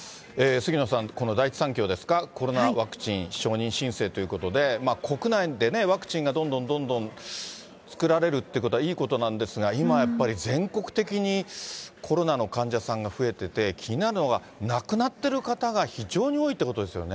杉野さん、この第一三共ですか、コロナワクチン承認申請ということで、国内でワクチンがどんどんどんどん作られるってことはいいことなんですが、今やっぱり、全国的にコロナの患者さんが増えてて、気になるのが、亡くなってる方が非常に多いっていうことですよね。